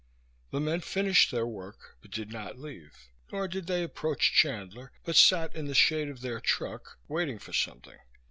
The men finished their work but did not leave. Nor did they approach Chandler, but sat in the shade of their truck, waiting for something.